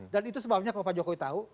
dan itu sebabnya kalau pak jokowi tahu